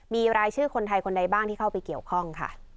มีรายชื่อคนไทยคนใดบ้างที่เข้าไปเกี่ยวข้องค่ะ